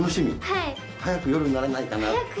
はい！早く夜にならないかなって？